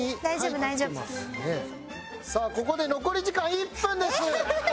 さあここで残り時間１分です！